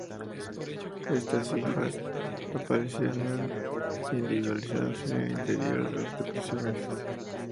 Estas hifas aparecían individualizadas en el interior de las depresiones.